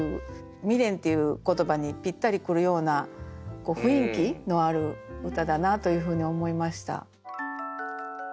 「未練」っていう言葉にぴったり来るような雰囲気のある歌だなというふうに思いました。